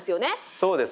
そうですね。